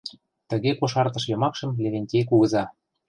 — Тыге кошартыш йомакшым Левентей кугыза.